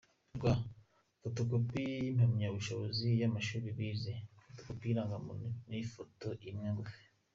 rw, fotokopi y’impamyabushobozi yamashuli bize, fotokopi y’irangamuntu, n’ifoto imwe ngufi.